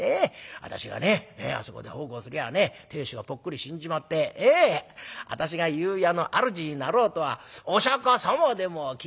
私がねあそこで奉公すりゃあね亭主がぽっくり死んじまって私が湯屋のあるじになろうとはお釈様でも気が付くめえと。